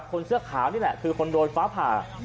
คนเสื้อขาวนี่แหละคือคนโดนฟ้าผ่า